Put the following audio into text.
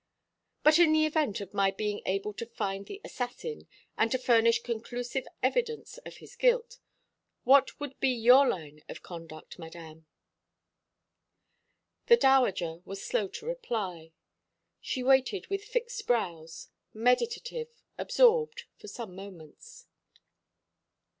But in the event of my being able to find the assassin, and to furnish conclusive evidence of his guilt, what would be your line of conduct, Madame?" The Dowager was slow to reply. She waited with fixed brows, meditative, absorbed, for some moments.